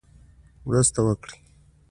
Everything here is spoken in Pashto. مرسته وکړي.